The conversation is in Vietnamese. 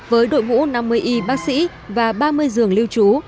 với đội ngũ năm mươi y bác sĩ và ba mươi giường lưu trú